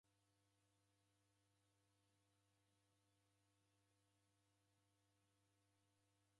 Kio na dime yadifwane dimkase Mlungu kwa w'ucha ghwape.